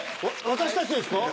私たちですか？